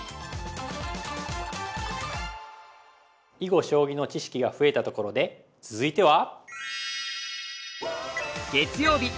囲碁将棋の知識が増えたところで続いては！